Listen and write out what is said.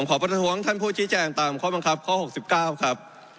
ผมขอประถวงท่านผู้ชี้แจงตามข้อบังคับข้อหกสิบเก้าครับ